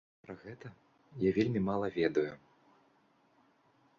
Пра гэта я вельмі мала ведаю.